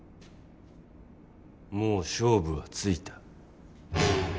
もう勝負はついた。